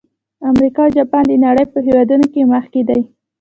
امریکا او جاپان د نړۍ په هېوادونو کې مخکې دي.